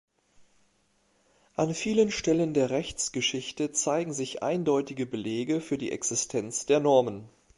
An vielen Stellen der Rechtsgeschichte zeigen sich eindeutige Belege für die Existenz der Normen.